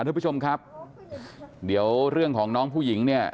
ทุกผู้ชมครับเดี๋ยวเรื่องของน้องผู้หญิงเนี่ย